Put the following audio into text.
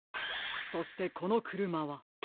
そしてこのくるまは。